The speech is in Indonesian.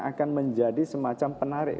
akan menjadi semacam penarik